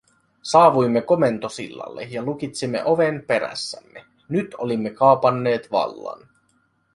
Saavuimme komentosillalle ja lukitsimme oven perässämme - nyt olimme kaapanneet vallan.